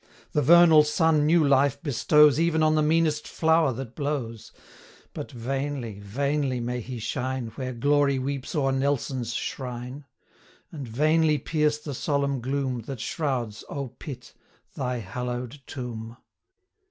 The vernal sun new life bestows Even on the meanest flower that blows; But vainly, vainly may he shine, 65 Where Glory weeps o'er NELSON'S shrine: And vainly pierce the solemn gloom, That shrouds, O PITT, thy hallow'd tomb!